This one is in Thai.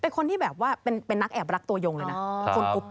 คนที่แบบว่าเป็นนักแอบรักตัวยงเลยนะ